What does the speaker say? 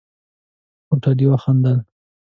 هوټلي وخندل.